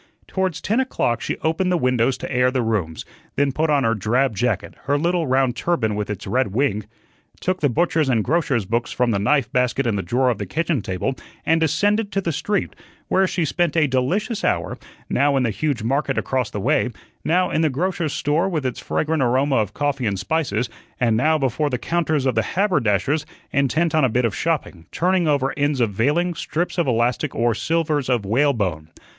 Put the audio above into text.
Towards ten o'clock she opened the windows to air the rooms, then put on her drab jacket, her little round turban with its red wing, took the butcher's and grocer's books from the knife basket in the drawer of the kitchen table, and descended to the street, where she spent a delicious hour now in the huge market across the way, now in the grocer's store with its fragrant aroma of coffee and spices, and now before the counters of the haberdasher's, intent on a bit of shopping, turning over ends of veiling, strips of elastic, or slivers of whalebone.